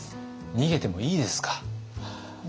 逃げてもいいです。